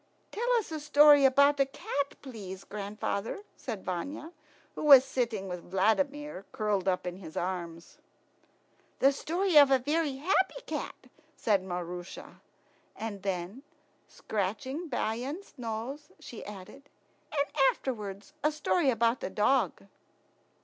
"Tell us a story about a cat, please, grandfather," said Vanya, who was sitting with Vladimir curled up in his arms. "The story of a very happy cat," said Maroosia; and then, scratching Bayan's nose, she added, "and afterwards a story about a dog."